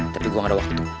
tapi gue gak ada waktu tuh